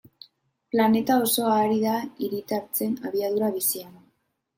Planeta osoa ari da hiritartzen abiadura bizian.